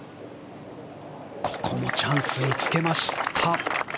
ここもチャンスにつけました。